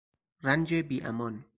رنج بی امان